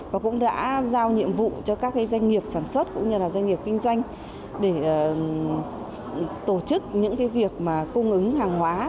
và cũng đã giao nhiệm vụ cho các doanh nghiệp sản xuất cũng như là doanh nghiệp kinh doanh để tổ chức những việc mà cung ứng hàng hóa